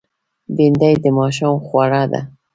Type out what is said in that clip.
بېنډۍ د ماښام خواړه ده